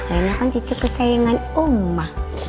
rena kan cucu kesayangan oma